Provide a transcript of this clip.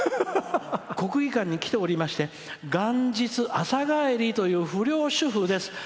「国技館に来てまして元日、朝帰りという不良主婦です。